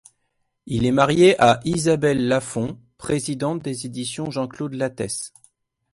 Il est marié à Isabelle Laffont, présidente des éditions Jean-Claude Lattès.